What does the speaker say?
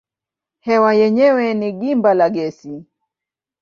Hewa yenyewe ni gimba la gesi.